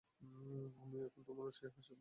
আমিও এখন তোমার সেই হাসির ভান করবো।